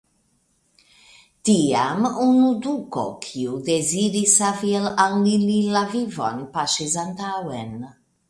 Tiam unu duko, kiu deziris savi al ili la vivon, paŝis antaŭen.